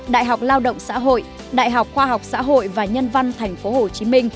đại học lao động xã hội đại học khoa học xã hội và nhân văn tp hcm